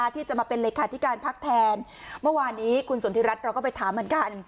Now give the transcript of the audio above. ที่จะมาเป็นเลขาธิการพักแทนเมื่อวานนี้คุณสนทิรัฐเราก็ไปถามเหมือนกัน